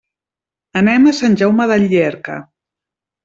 Anem a Sant Jaume de Llierca.